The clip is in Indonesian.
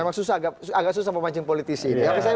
memang agak susah memancing politisi